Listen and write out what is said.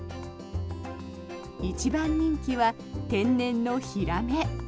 一番人気は天然のヒラメ。